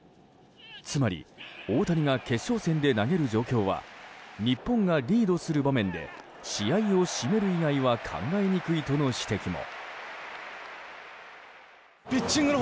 つまり大谷が決勝戦で投げる状況は日本がリードする場面で試合を締める以外は考えにくいとの指摘も。